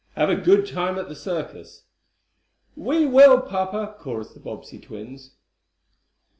Have a good time at the circus." "We will, papa!" chorused the Bobbsey twins.